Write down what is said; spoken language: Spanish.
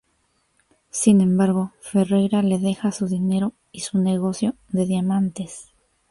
Sin embargo Ferreira le deja su dinero y su negocio de diamantes.